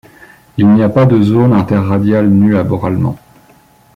Il n'y a pas de zone interradiale nue aboralement.